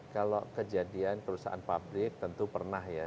kalau kejadian perusahaan pabrik tentu pernah ya